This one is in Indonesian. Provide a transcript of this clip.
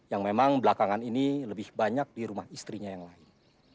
yang memang belakangan ini lebih banyak di rumah istrinya yang lain